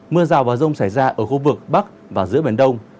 mưa rào và rông xảy ra ở khu vực bắc và giữa biển đông